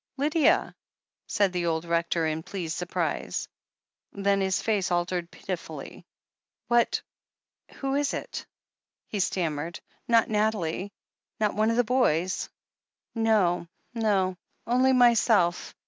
"Lydia !" said the old Rector in pleased surprise. Then his face altered pitifully. "What — ^who is it?" he stammered. "Not Nathalie — ^not one of the boys?" "No — ^no. Only myself.